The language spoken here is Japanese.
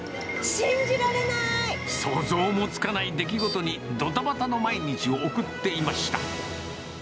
想像もつかない出来事に、どたばたの毎日を送っていました。